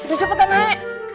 di cepetan naik